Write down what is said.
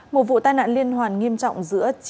một vụ tai nạn liên hoàn nghiêm trọng giữa